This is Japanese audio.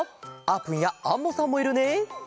あーぷんやアンモさんもいるね。